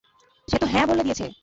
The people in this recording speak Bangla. সে তো হ্যাঁঁ বলে দিয়েছে।